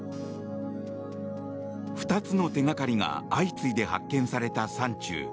２つの手掛かりが相次いで発見された山中。